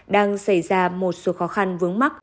đang xảy ra một số khó khăn vướng mắc